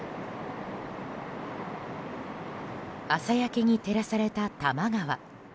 朝焼けに照らされた多摩川。